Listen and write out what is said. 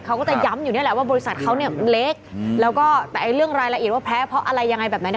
เขาก็จะย้ำอยู่นี่แหละว่าบริษัทเขาเนี่ยเล็กแล้วก็แต่เรื่องรายละเอียดว่าแพ้เพราะอะไรยังไงแบบไหน